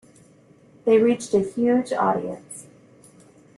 They reached a huge audience.